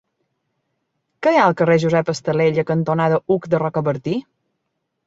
Què hi ha al carrer Josep Estalella cantonada Hug de Rocabertí?